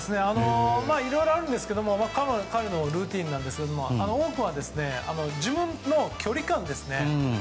いろいろあるんですけども彼のルーティンですが自分の距離感ですね。